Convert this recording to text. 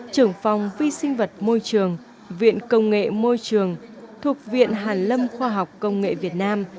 trưởng phòng vi sinh vật môi trường viện công nghệ môi trường thuộc viện hàn lâm khoa học công nghệ việt nam